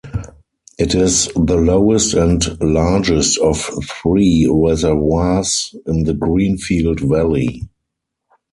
It is the lowest and largest of three reservoirs in the Greenfield Valley.